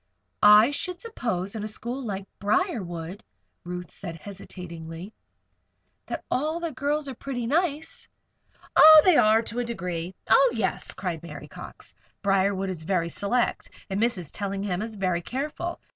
"I should suppose in a school like Briarwood," Ruth said, hesitatingly, "that all the girls are pretty nice." "Oh! they are, to a degree. Oh, yes!" cried Mary Cox. "Briarwood is very select and Mrs. Tellingham is very careful.